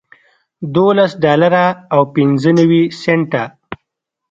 دولس ډالره او پنځه نوي سنټه